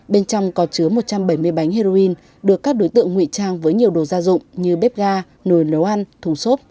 bên trong có chứa một trăm bảy mươi bánh heroin được các đối tượng ngụy trang với nhiều đồ gia dụng như bếp ga nồi nấu ăn thùng xốp